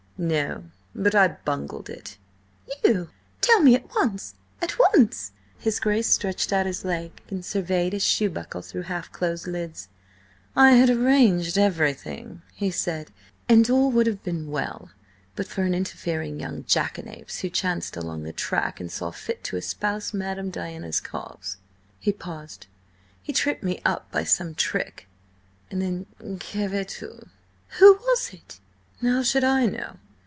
"No. But I bungled it." "You? Tell me at once!–at once!" His Grace stretched out his leg and surveyed his shoe buckle through half closed lids. "I had arranged everything," he said, "and all would have been well but for an interfering young jackanapes who chanced along the track and saw fit to espouse Madam Diana's cause." He paused. "He tripped me up by some trick, and then–que veux tu?" "Who was it?" "How should I know?